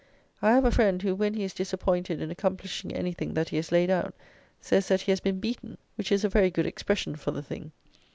I have a friend, who, when he is disappointed in accomplishing anything that he has laid out, says that he has been beaten, which is a very good expression for the thing.